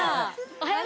おはよう。